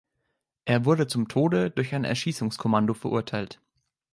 Er wurde zum Tode durch ein Erschießungskommando verurteilt.